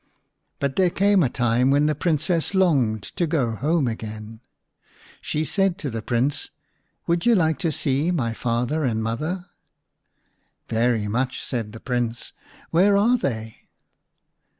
But there came a time when the Princess longed to go home again. She said to the Prince, " Would you like to see my father and mother ?"" Very much," said the Prince. " Where are they